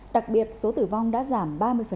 đặc biệt số tử vong đã giảm ba mươi